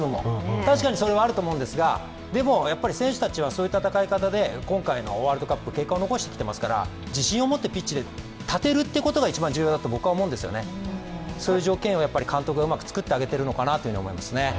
確かにそれはあると思うんですが、でも選手たちはそういう戦い方で今回のワールドカップ、結果を残してきていますから自信を持ってピッチに立てることが一番重要だと思うんですよね、そういう条件を監督がうまくつくってあげてるのかなという気がしますね。